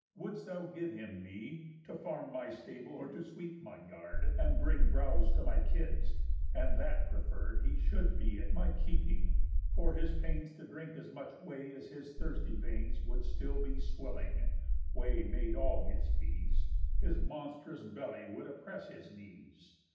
Wouldst thou give him me, To farm my stable, or to sweep my yard, And bring browse to my kids, and that preferr'd He should be at my keeping for his pains To drink as much whey as his thirsty veins Would still be swilling (whey made all his fees) His monstrous belly would oppress his knees.